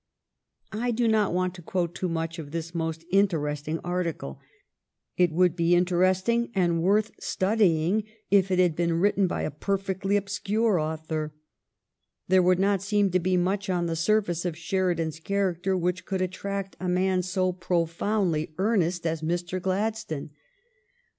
I do not want to quote too much of this most in teresting article. It would be interesting and worth studying if it had been written by a perfectly ob scure author. There would not seem to be much on the surface of Sheridan's character which could attract a man so profoundly earnest as Mr. Glad GLADSTONE'S BUSY LEISURE 403 stone.